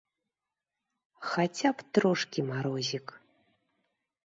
Хаця б трошкі марозік.